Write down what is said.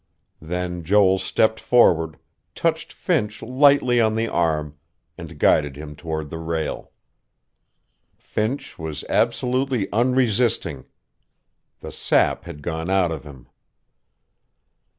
Then Joel stepped forward, touched Finch lightly on the arm, and guided him toward the rail. Finch was absolutely unresisting. The sap had gone out of him....